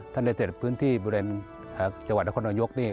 ท่านได้เศรษฐ์พื้นที่บริเวณจังหวัดละครต่างยกนี่